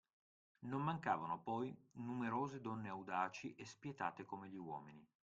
Non mancavano poi numerose donne audaci e spietate come gli uomini.